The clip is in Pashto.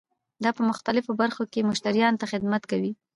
دا په مختلفو برخو کې مشتریانو ته خدمت کوي.